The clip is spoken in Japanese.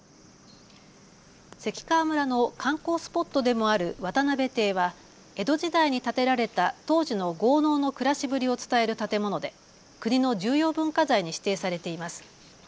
関川村の観光スポットでもある渡邉邸は江戸時代に建てられた当時の豪農の暮らしぶりを伝える建物で国の重要文化財に指定されています。